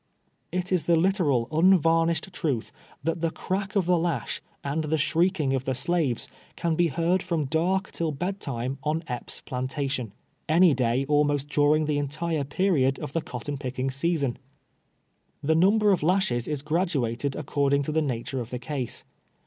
It is the literal, unvarnished truth, that the crack of the lash, and the shrieking of the slaves, can be heard from dark till bed time, on Epps' jjlantatiou, any day almost during the entire period of the cotton picking season. Tlie number of lashes is graduated according to the nature of the case.